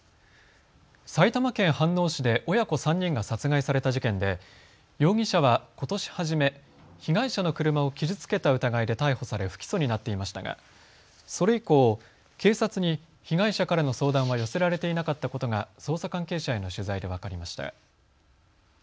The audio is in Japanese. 埼玉県飯能市で親子３人が殺害された事件で容疑者はことし初め、被害者の車を傷つけた疑いで逮捕され不起訴になっていましたがそれ以降、警察に被害者からの相談は寄せられていなかったことが捜査関係者への取材で分かりました。